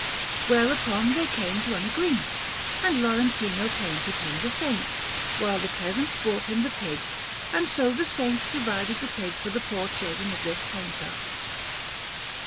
Whereupon they came to an agreement, and Lorentino painted him the Saint, while the peasant brought him the pig; and so the Saint provided the pig for the poor children of this painter.